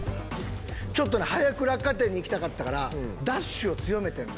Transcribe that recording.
ちょっとね早く落下点に行きたかったからダッシュを強めてんな。